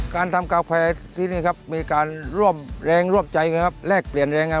การทำกาแฟที่นี่ครับมีการร่วมแรงร่วมใจกันครับแลกเปลี่ยนแรงงาน